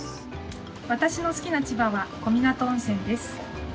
わたしの好きな千葉は小湊温泉です。